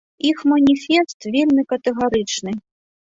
Іх маніфест вельмі катэгарычны.